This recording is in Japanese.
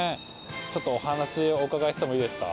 ちょっとお話お伺いしてもいいですか？